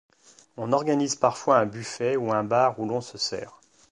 On organise parfois un buffet, ou un bar, où l'on se sert.